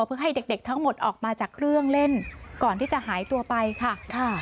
เพื่อให้เด็กทั้งหมดออกมาจากเครื่องเล่นก่อนที่จะหายตัวไปค่ะค่ะ